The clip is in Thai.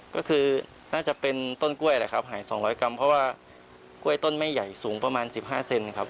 ก็คือน่าจะเป็นต้นกล้วยแหละครับหาย๒๐๐กรัมเพราะว่ากล้วยต้นไม่ใหญ่สูงประมาณ๑๕เซนครับ